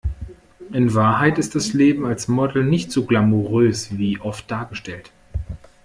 In Wahrheit ist das Leben als Model nicht so glamourös wie oft dargestellt.